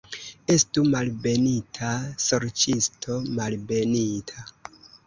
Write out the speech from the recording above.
Estu malbenita, sorĉisto, malbenita.